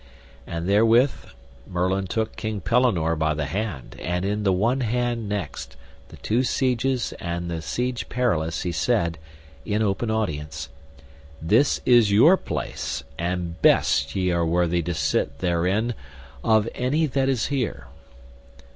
And therewith Merlin took King Pellinore by the hand, and in the one hand next the two sieges and the Siege Perilous he said, in open audience, This is your place and best ye are worthy to sit therein of any that is here.